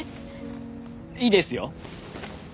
いいですよ。